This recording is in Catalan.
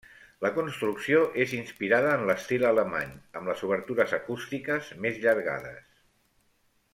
La construcció és inspirada en l'estil alemany, amb les obertures acústiques més llargades.